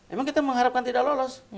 emang kita mengharapkan tidak lolos